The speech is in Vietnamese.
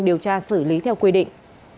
điều tra xử lý theo quy định